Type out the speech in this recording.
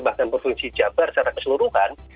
bahkan provinsi jabar secara keseluruhan